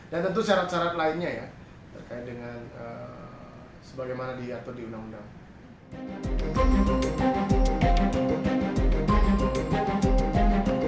dan tentu syarat syarat lainnya ya terkait dengan sebagaimana diatur di undang undang